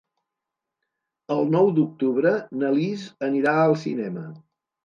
El nou d'octubre na Lis anirà al cinema.